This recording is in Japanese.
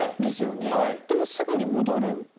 でもすぐに戻るんですよね。